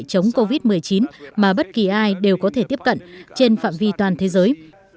chống covid một mươi chín mà bất kỳ ai đều có thể tiếp cận trên phạm vi toàn thế giới